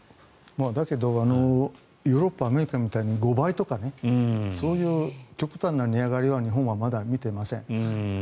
だけどヨーロッパ、アメリカみたいに５倍とかそういう極端な値上がりは日本はまだ見ていません。